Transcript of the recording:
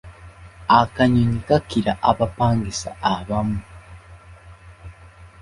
Akanyonyi kakira abapangisa abamu.